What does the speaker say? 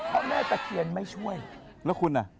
เพราะแม่ตะเคียนไม่ช่วยแล้วคุณอ่ะ